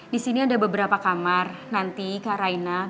disini ada beberapa kamar